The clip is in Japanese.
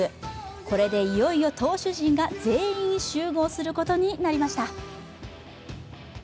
これでいよいよ投手陣が全員集合することになりました。